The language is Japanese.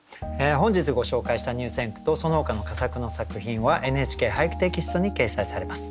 本日ご紹介した入選句とそのほかの佳作の作品は「ＮＨＫ俳句」テキストに掲載されます。